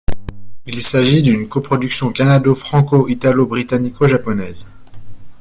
Il s'agit d'une coproduction canado-franco-italo-britannico-japonaise.